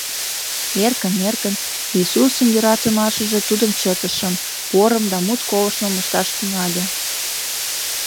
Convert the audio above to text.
Эркын-эркын Иисусын йӧратымашыже тудым чытышым, порым да мут колыштшым ышташ тӱҥале.